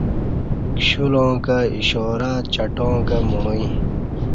کشولاں کہ اشارہ چٹاں کہ مݨوی